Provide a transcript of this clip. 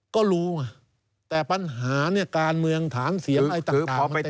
ก็รู้แต่ปัญหาเนี่ยการเมืองฐานเสียบอะไรจากการมันได้ไม่รู้